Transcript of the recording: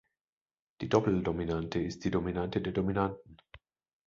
Die Doppeldominante ist die Dominante der Dominanten.